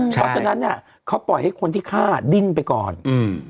เพราะฉะนั้นเนี่ยเขาปล่อยให้คนที่ฆ่าดิ้นไปก่อนอืม